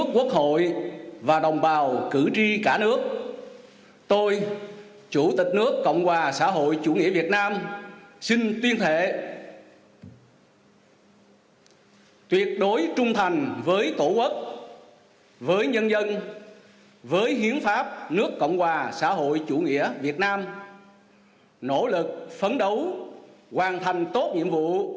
quốc hội đã thông qua nghị quyết bầu đồng chí võ văn thưởng giữ chức chủ tịch nước cộng hòa xã hội chủ nghĩa việt nam bằng hệ thống điện tử